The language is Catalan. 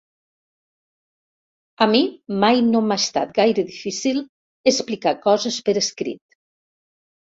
A mi mai no m'ha estat gaire difícil explicar coses per escrit.